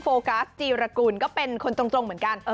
โฟกัสจีรกูลก็เป็นคนตรงเหมือนกัน